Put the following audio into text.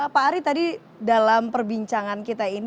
pak ari tadi dalam perbicaraan